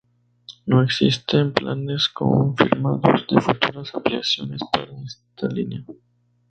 No existen planes confirmados de futuras ampliaciones para esta línea.